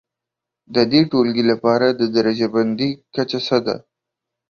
د دې ټولګي لپاره د درجه بندي کچه څه ده؟